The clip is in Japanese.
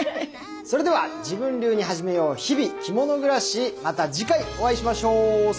それでは「自分流にはじめよう！日々、キモノ暮らし」また次回お会いしましょう。さようなら。